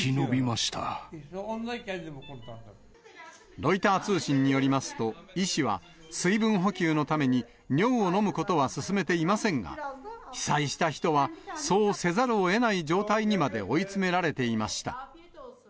ロイター通信によりますと、医師は、水分補給のために尿を飲むことは勧めていませんが、被災した人はそうせざるをえない状態にまで追い詰められていました。